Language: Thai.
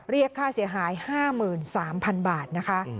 เรียกค่าเสียหาย๕๓๐๐๐บาทนะคะ